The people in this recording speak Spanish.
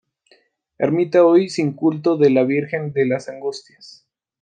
Ermita, hoy sin culto, de la Virgen de las Angustias.